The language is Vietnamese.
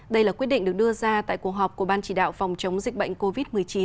đây là quyết định được đưa ra tại cuộc họp của ban chỉ đạo phòng chống dịch bệnh covid một mươi chín